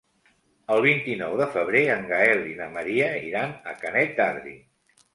El vint-i-nou de febrer en Gaël i na Maria iran a Canet d'Adri.